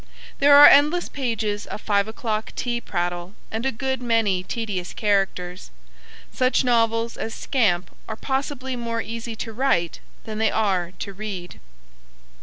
There are endless pages of five o'clock tea prattle and a good many tedious characters. Such novels as Scamp are possibly more easy to write than they are to read.